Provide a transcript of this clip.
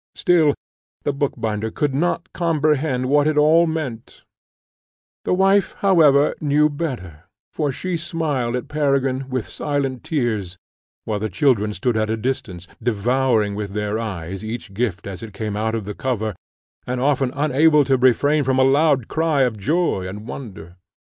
Still the bookbinder could not comprehend what it all meant; the wife, however, knew better, for she smiled at Peregrine, with silent tears, while the children stood at a distance, devouring with their eyes each gift as it came out of the cover, and often unable to refrain from a loud cry of joy and wonder.